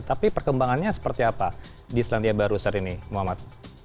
tapi perkembangannya seperti apa di selandia baru saat ini muhammad